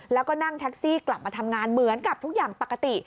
แล้วก็นั่งแท็กซี่กลับมาทำงานเหมือนกับทุกอย่างปกติ